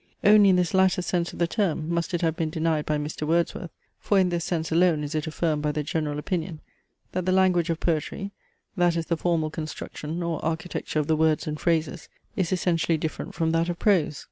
Only in this latter sense of the term must it have been denied by Mr. Wordsworth (for in this sense alone is it affirmed by the general opinion) that the language of poetry (that is the formal construction, or architecture, of the words and phrases) is essentially different from that of prose.